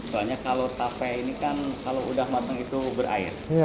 soalnya kalau tape ini kan kalau udah matang itu berair